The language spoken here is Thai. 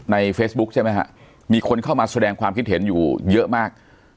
เฟซบุ๊คใช่ไหมฮะมีคนเข้ามาแสดงความคิดเห็นอยู่เยอะมาก